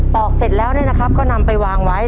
อกเสร็จแล้วเนี่ยนะครับก็นำไปวางไว้